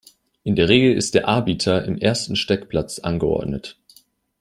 In der Regel ist der Arbiter im ersten Steckplatz angeordnet.